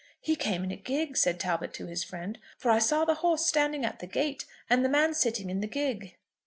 "He came in a gig," said Talbot to his friend; "for I saw the horse standing at the gate, and the man sitting in the gig."